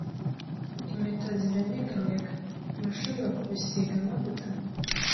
Impeta ziranyeganyega. Urashobora kubisiga amavuta?